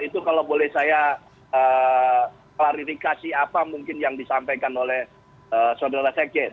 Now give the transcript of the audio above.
itu kalau boleh saya klarifikasi apa mungkin yang disampaikan oleh saudara sekjen